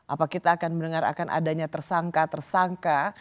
apa kita akan mendengar akan adanya tersangka tersangka